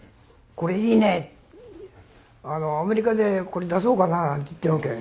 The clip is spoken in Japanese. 「これいいねアメリカでこれ出そうかな」なんて言ってるわけ。